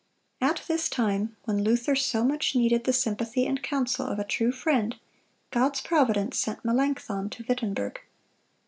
At this time, when Luther so much needed the sympathy and counsel of a true friend, God's providence sent Melanchthon to Wittenberg.